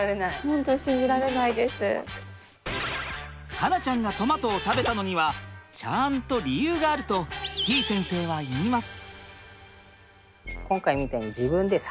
巴梛ちゃんがトマトを食べたのにはちゃんと理由があるとてぃ先生は言います。